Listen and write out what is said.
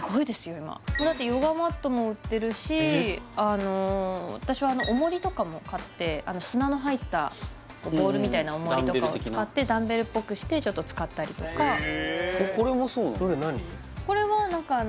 今ヨガマットも売ってるし私はおもりとかも買って砂の入ったボールみたいなおもりとかを使ってダンベルっぽくしてちょっと使ったりとかこれもそうなの？